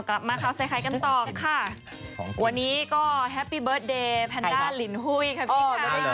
กลับมาครับใส่ใครกันต่อค่ะวันนี้ก็แฮปปี้เบิร์สเดยแพนด้าลินหุ้ยครับพี่ค่ะ